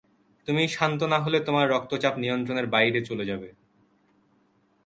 তুমি শান্ত না হলে তোমার রক্তচাপ নিয়ন্ত্রণের বাইরে চলে যাবে।